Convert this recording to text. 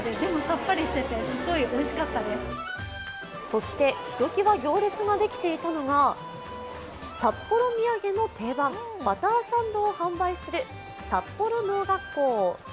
そして、ひときわ行列ができていたのが、札幌土産の定番・バターサンドを販売する札幌農学校。